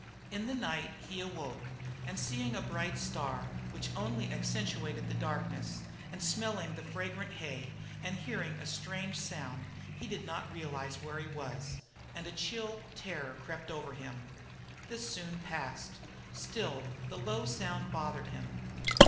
In the night he awoke, and seeing a bright star, which only accentuated the darkness, and smelling the fragrant hay, and hearing a strange sound, he did not realize where he was, and a chill terror crept over him. This soon passed. Still the low sound bothered him.